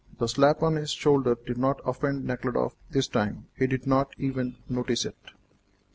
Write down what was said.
The slap on his shoulder did not offend Nekhludoff this time; he did not even notice it.